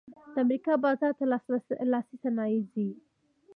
د امریکا بازار ته لاسي صنایع ځي